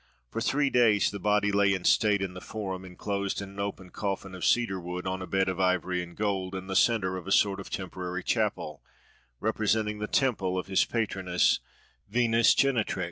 For three days the body lay in state in the Forum, enclosed in an open coffin of cedar wood, on a bed of ivory and gold, in the centre of a sort of temporary chapel, representing the temple of his patroness Venus Genetrix.